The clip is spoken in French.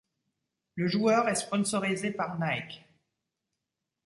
Le joueur est sponsorisé par Nike.